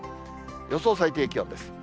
予想最低気温です。